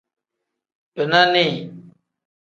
Bina nii.